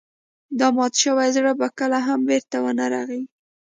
دا مات شوی زړه به کله هم بېرته ونه رغيږي.